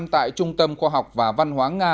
tại trung tâm khoa học và văn hóa nga